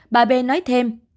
bà b nói thêm